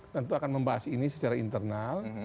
tentu akan membahas ini secara internal